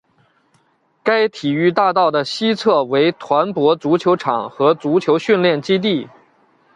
该体育大道的西侧为团泊足球场和足球训练基地。